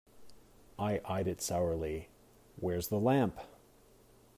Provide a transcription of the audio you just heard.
I eyed it sourly. Where's the lamp?